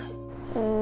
うん。